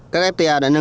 các fta đã nâng lợi